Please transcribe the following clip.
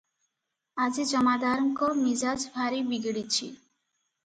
ଆଜି ଜମାଦାରଙ୍କ ମିଜାଜ ଭାରି ବିଗିଡ଼ିଛି ।